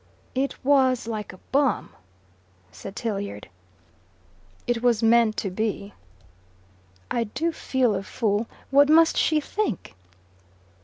"It was like a bomb," said Tilliard. "It was meant to be." "I do feel a fool. What must she think?"